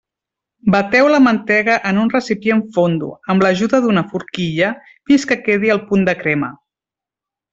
Bateu la mantega en un recipient fondo, amb l'ajuda d'una forquilla, fins que quedi al punt de crema.